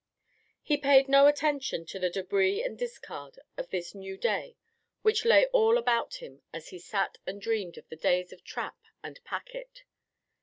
He paid no attention to the débris and discard of this new day which lay all about him as he sat and dreamed of the days of trap and packet.